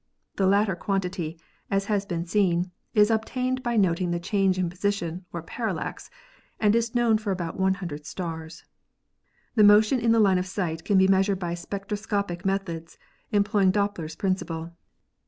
The latter quantity, as has been seen, is obtained by noting the change in position or parallax and is known for about 100 stars. The motion in the line of sight can be measured by spectroscopic meth ods, employing Doppler's principle.